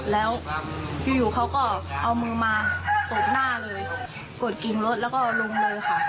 แล้วอยู่เขาก็เอามือมากตบหน้าเลยกดกิ่งรถแล้วก็ลุมเลยค่ะ